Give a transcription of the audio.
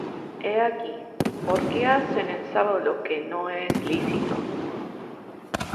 He aquí, ¿por qué hacen en sábado lo que no es lícito?